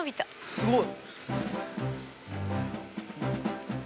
すごい。